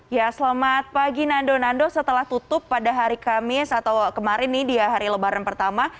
ya selamat pagi nando nando setelah tutup pada hari kamis atau kemarin nih dia hari lebaran pertama